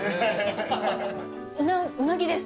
うなぎです。